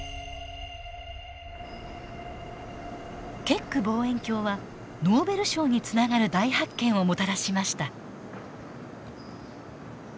ケック望遠鏡はノーベル賞につながる大発見をもたらしました。